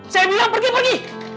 saya bilang pergi pergi